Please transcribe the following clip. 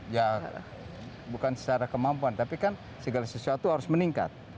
ya bukan secara kemampuan tapi kan segala sesuatu harus meningkat